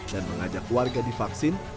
dan mengajak warga divaksin